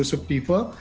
jadi enam puluh subtipe